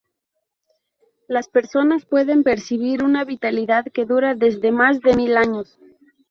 Las personas pueden percibir una vitalidad que dura desde más de mil años.